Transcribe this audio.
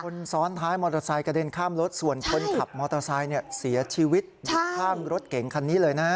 คนซ้อนท้ายมอเตอร์ไซค์กระเด็นข้ามรถส่วนคนขับมอเตอร์ไซค์เนี่ยเสียชีวิตอยู่ข้างรถเก่งคันนี้เลยนะ